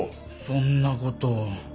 そんなこと。